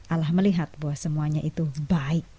allah melihat bahwa semuanya itu baik